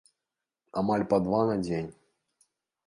Амаль па два на дзень.